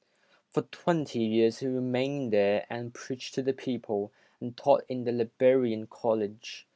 For twenty years, he remained there and preached to the people, and taught in the Liberian College.